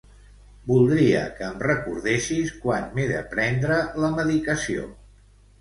Voldria que em recordessis quan m'he de prendre la medicació.